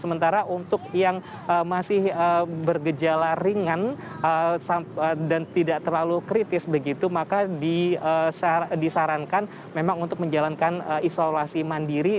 sementara untuk yang masih bergejala ringan dan tidak terlalu kritis begitu maka disarankan memang untuk menjalankan isolasi mandiri